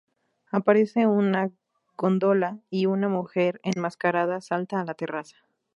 Aparece una góndola y una mujer enmascarada salta a la terraza.